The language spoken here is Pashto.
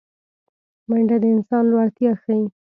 منډه د انسان لوړتیا ښيي